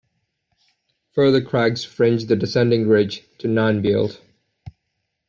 Further crags fringe the descending ridge to Nan Bield.